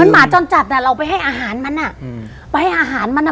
หมาจรจัดน่ะเราไปให้อาหารมันอ่ะอืมไปให้อาหารมันอ่ะ